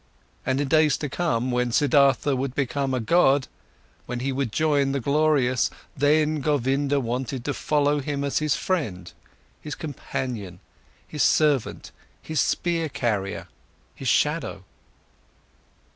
And in days to come, when Siddhartha would become a god, when he would join the glorious, then Govinda wanted to follow him as his friend, his companion, his servant, his spear carrier, his shadow.